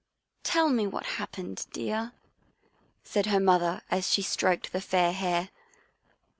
" Tell me what happened, dear," said her mother, as she stroked the fair hair.